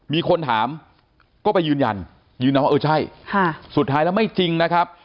มีคนถามก็ไปยืนยันยืนยันว่าเออใช่สุดท้ายแล้วไม่จริงนะครับ